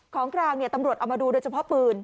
ของกลางตำรวจเอามาดูโดยเฉพาะปืน